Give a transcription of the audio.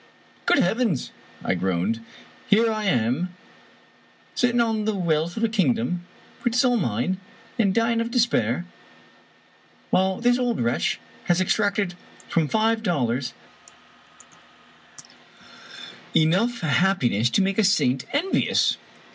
" Good heavens 1 " I groaned, " here I am, sitting on the wealth of a kingdom which is all mine, and dying of despair, while this old wretch has extracted from five dollars enough of happiness to make a saint en vious